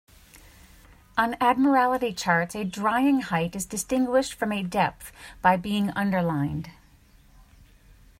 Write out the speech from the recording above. On admiralty charts a drying height is distinguished from a depth by being underlined.